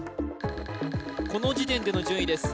この時点での順位です